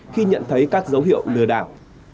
khi nhận thấy các dấu hiệu lừa đảo